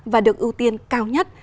và được ưu tiên cao nhất